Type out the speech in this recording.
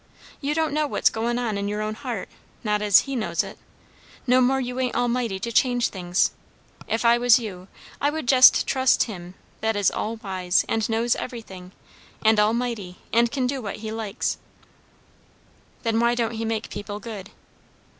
You don't know what's goin' on in your own heart not as he knows it. No more you ain't almighty to change things. If I was you, I would jest trust him that is all wise, and knows everything, and almighty and kin do what he likes." "Then why don't he make people good?"